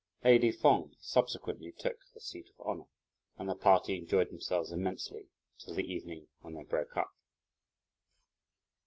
Lady Feng subsequently took the seat of honour; and the party enjoyed themselves immensely till the evening, when they broke up.